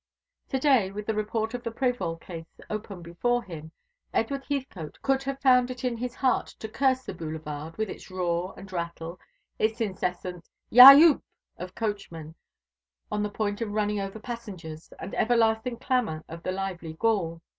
To day, with the report of the Prévol case open before him, Edward Heathcote could have found it in his heart to curse the Boulevard, with its roar and rattle, its incessant "ya youp!" of coachmen on the point of running over passengers, and everlasting clamour of the lively Gaul.